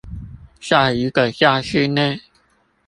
在一個教室內